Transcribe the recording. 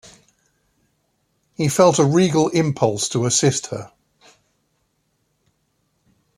He felt a regal impulse to assist her.